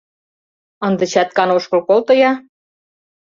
— Ынде чаткан ошкыл колто-я!